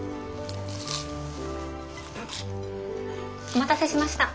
お待たせしました。